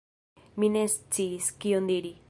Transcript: Mi ne sciis, kion diri.